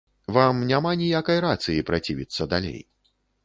Вам няма ніякай рацыі працівіцца далей.